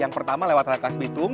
yang pertama lewat rekas bitung